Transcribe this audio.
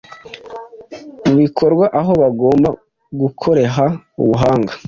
mubikorwa aho bagomba gukoreha ubuhanga